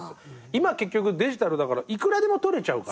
今結局デジタルだからいくらでも撮れちゃうからね。